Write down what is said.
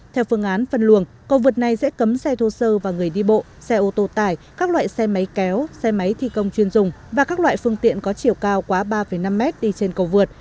theo phương án phân luồng cầu vượt này sẽ cấm xe thô sơ và người đi bộ xe ô tô tải các loại xe máy kéo xe máy thi công chuyên dùng và các loại phương tiện có chiều cao quá ba năm m đi trên cầu vượt